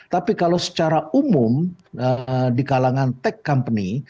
tapi kalau secara umum di kalangan tech company